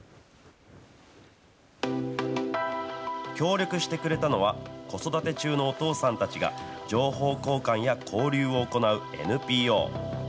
協力してくれたのは、子育て中のお父さんたちが情報交換や交流を行うＮＰＯ。